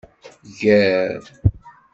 Gar.